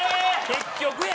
結局や！